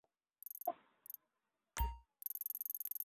আমাকে তাই ক্ষণে ক্ষণে নির্জনের খোঁজ করিতে হয়।